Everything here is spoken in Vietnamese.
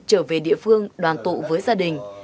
trở về địa phương đoàn tụ với gia đình